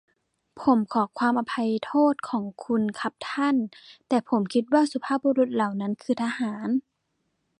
ผมขอความอภัยโทษของคุณครับท่าน แต่ผมคิดว่าสุภาพบุรุษเหล่านั้นคือทหาร ?